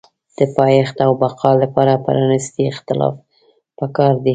د پایښت او بقا لپاره پرانیستی اختلاف پکار دی.